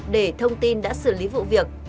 để thông tin đã xử lý vụ việc